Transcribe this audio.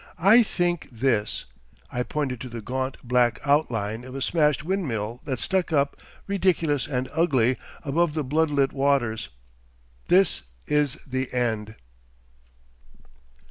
I think this——" I pointed to the gaunt black outline of a smashed windmill that stuck up, ridiculous and ugly, above the blood lit waters—"this is the end."